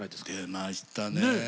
出ましたね。